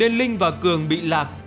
nên linh và cường bị lạc